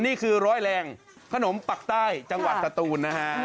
นี่คือร้อยแรงขนมปักใต้จังหวัดสตูนนะฮะ